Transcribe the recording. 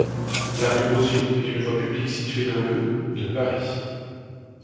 La rue Bosio est une voie publique située dans le de Paris.